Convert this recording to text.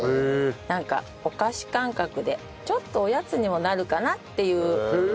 なんかお菓子感覚でちょっとおやつにもなるかなっていう感じで。